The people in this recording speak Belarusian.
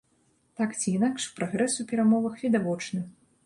Так ці інакш, прагрэс у перамовах відавочны.